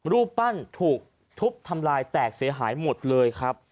รูปปั้นถูกทุบทำลายแตกเสียหายหมดเลยครับ